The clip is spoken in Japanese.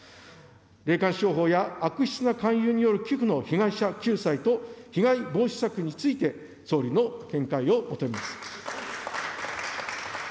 霊感商法や悪質な勧誘による寄付の被害者救済と被害防止策について、総理の見解を求めます。